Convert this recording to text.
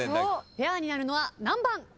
ペアになるのは何番？